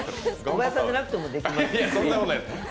小林さんでなくてもできます。